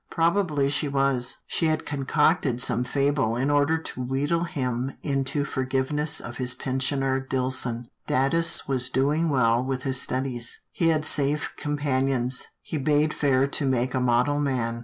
Probably she was, she had concocted some fable in order to wheedle him into forgiveness of his pensioner Dillson. Datus was doing well with his studies. He had safe companions, he bade fair to make a model man.